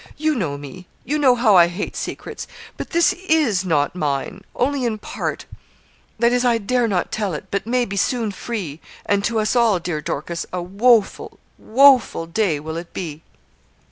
You know me you know how I hate secrets; but this is not mine only in part that is, I dare not tell it but may be soon free and to us all, dear Dorcas, a woful, woful, day will it be.'